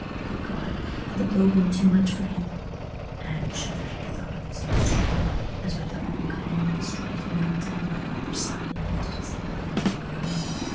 Good God! had the blow been too much for him? Adam shuddered at the thought of his own strength, as with the oncoming of this dread he knelt down by Arthur's side and lifted his head from among the fern.